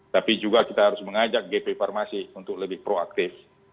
tapi juga kita harus mengajak gp farmasi untuk lebih proaktif